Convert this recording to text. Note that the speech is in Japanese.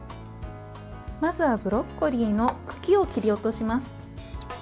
まずはブロッコリーの茎を切り落とします。